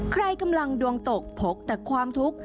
ใครกำลังดวงตกพกแต่ความทุกข์